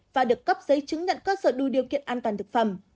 và được cấp giấy chứng nhận cơ sở đủ điều kiện an toàn thực phẩm